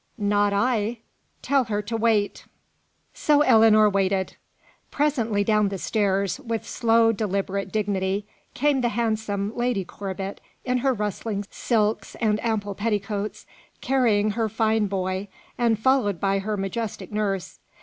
"Not I. Tell her to wait." So Ellinor waited. Presently down the stairs, with slow deliberate dignity, came the handsome Lady Corbet, in her rustling silks and ample petticoats, carrying her fine boy, and followed by her majestic nurse.